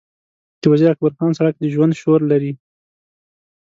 د وزیر اکبرخان سړک د ژوند شور لري.